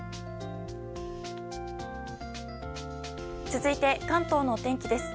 続いて、関東の天気です。